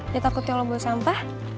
ya takutnya lo bawa sampah